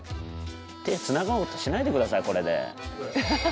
手つなごうとしないで下さいこれで。